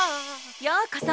ようこそ。